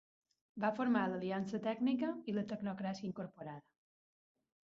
Va formar l'Aliança Tècnica i la Tecnocràcia Incorporada.